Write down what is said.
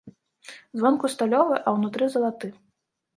Звонку сталёвы, а ўнутры залаты.